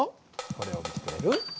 これを見てくれる？